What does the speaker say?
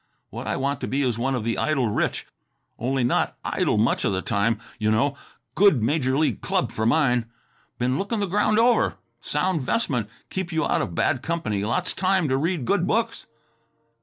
What I want to be is one of the idle rich ... only not idle much of the time, you know. Good major league club for mine. Been looking the ground over; sound 'vestment; keep you out of bad company, lots time to read good books."